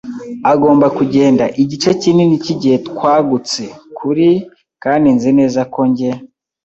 agomba kugenda; igice kinini cyigihe twagutse kuri, kandi nzi neza ko njye